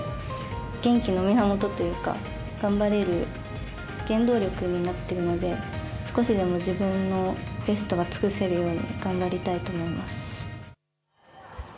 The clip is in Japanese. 元気の源というか頑張れる原動力になってるので少しでも自分のベストが尽くせるように頑張りたいと思います。